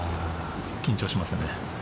緊張しますよね。